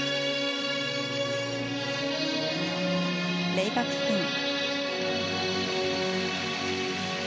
レイバックスピン。